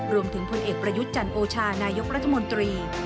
พลเอกประยุทธ์จันโอชานายกรัฐมนตรี